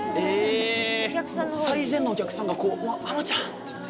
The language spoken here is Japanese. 最前のお客さんがあのちゃんって言って。